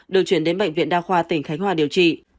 được chuyển đến bệnh viện đa khoa tỉnh khánh hòa điều trị